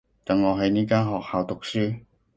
等我喺呢間學校讀書